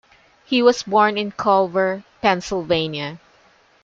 He was born in Colver, Pennsylvania.